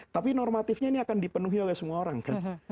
tapi normatifnya ini akan dipenuhi oleh semua orang kan